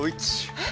えっ！